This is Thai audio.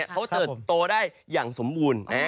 เขาเติบโตได้อย่างสมบูรณ์